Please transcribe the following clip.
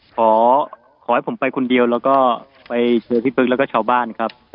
ขอให้ผมไปคนเดียวแล้วไปเจอวิธีปรึกแล้วก็ชาวบ้าน